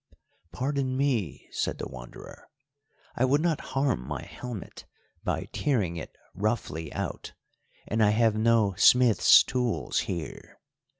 "Pardon me," said the Wanderer. "I would not harm my helmet by tearing it roughly out, and I have no smith's tools here.